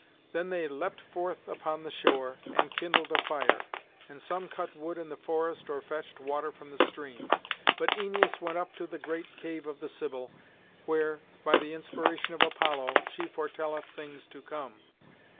Then they leapt forth upon the shore, and kindled a fire; and some cut wood in the forest, or fetched water from the stream. But Æneas went up to the great cave of the Sibyl, where, by the inspiration of Apollo, she foretelleth things to come.